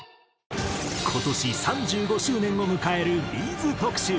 今年３５周年を迎えるＢ’ｚ特集。